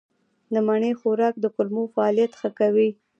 د مڼې خوراک د کولمو فعالیت ښه کوي.